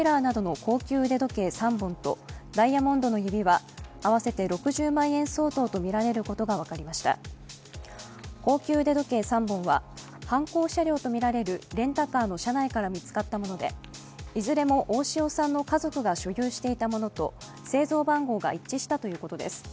高級腕時計３本は犯行車両とみられるレンタカーの車内から見つかったものでいずれも大塩さんの家族が所有していたものと製造番号が一致したということです。